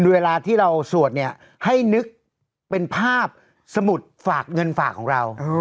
เวลาที่เราสวดเนี่ยให้นึกเป็นภาพสมุดฝากเงินฝากของเรา